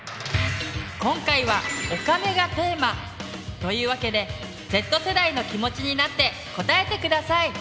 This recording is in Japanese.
今回は「お金」がテーマというわけでＺ世代の気持ちになって答えて下さい。